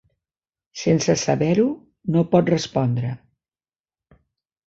Sense saber-ho, no pot respondre.